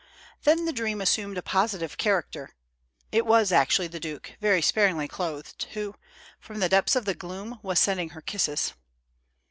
Then, the dream assumed a positive character : it was actually the due, very sparingly clothed, who, from the depths of the gloom was sending her kisses.